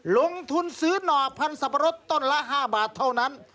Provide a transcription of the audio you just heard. ลงทุนซื้อหน่อพันธุ์สับปะรดต้นละ๕บาทเท่านั้น